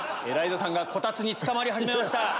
エライザさんがこたつにつかまり始めました。